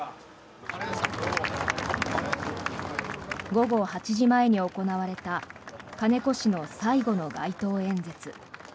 午後８時前に行われた金子氏の最後の街頭演説。